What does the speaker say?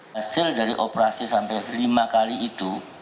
hasil dari operasi sampai lima kali itu